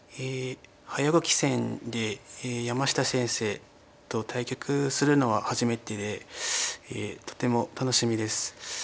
早碁棋戦で山下先生と対局するのは初めてでとても楽しみです。